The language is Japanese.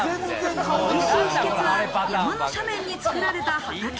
おいしい秘訣は、山の斜面に作られた畑。